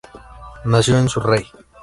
Nació en Surrey.